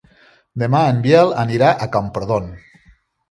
Demà en Biel anirà a Camprodon.